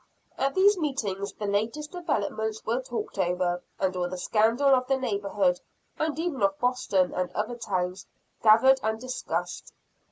At these meetings the latest developments were talked over; and all the scandal of the neighborhood, and even of Boston and other towns, gathered and discussed.